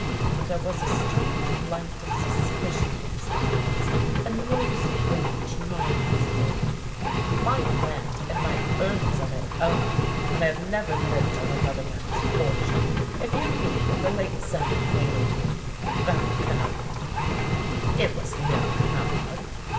But there was a strange light of suspicion in his eyes, a nervous rage knotting his forehead. " My land and my earnings are my own, and I have never lived on another man's fortune. If you mean that the late Seigneur made a will — that canard "" It was no canard."